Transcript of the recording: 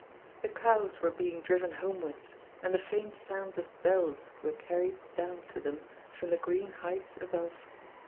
The cows were being driven homewards, and the faint sounds of bells were carried down to them from the green heights above.